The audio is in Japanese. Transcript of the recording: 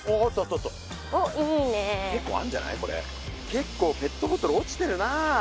けっこうペットボトル落ちてるなあ。